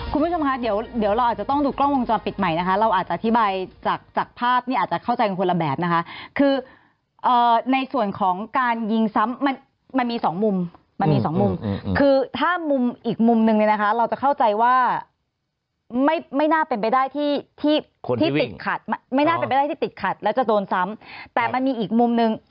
คุณผู้ชมคะเดี๋ยวเราอาจจะต้องดูกล้องวงจรปิดใหม่นะคะเราอาจจะอธิบายจากภาพเนี่ยอาจจะเข้าใจกันคนละแบบนะคะคือในส่วนของการยิงซ้ำมันมันมีสองมุมมันมีสองมุมคือถ้ามุมอีกมุมนึงเนี่ยนะคะเราจะเข้าใจว่าไม่น่าเป็นไปได้ที่ที่ติดขัดไม่น่าเป็นไปได้ที่ติดขัดแล้วจะโดนซ้ำแต่มันมีอีกมุมนึง